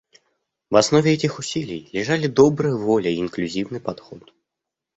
В основе этих усилий лежали добрая воля и инклюзивный подход.